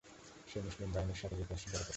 সে মুসলিম বাহিনীর সাথে যেতে অস্বীকার করে।